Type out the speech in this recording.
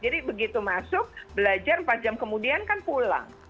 jadi begitu masuk belajar empat jam kemudian kan pulang